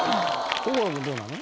心君どうなの？